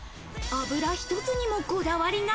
油一つにもこだわりが。